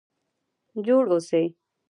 جوړ اوسئ؟